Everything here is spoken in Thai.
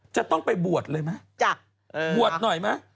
จะต้องไปบวชเลยไหมบวชหน่อยไหม